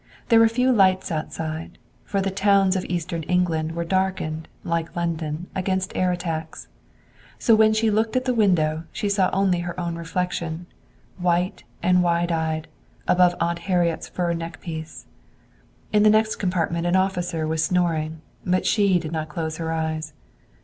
There were few lights outside, for the towns of Eastern England were darkened, like London, against air attacks. So when she looked at the window she saw only her own reflection, white and wide eyed, above Aunt Harriet's fur neckpiece. In the next compartment an officer was snoring, but she did not close her eyes.